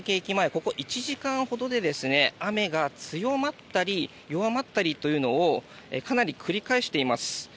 ここ１時間ほどで雨が強まったり弱まったりをかなり繰り返しています。